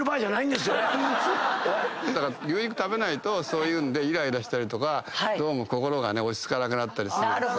だから牛肉食べないとイライラしたりとかどうも心が落ち着かなくなったりするんですよ。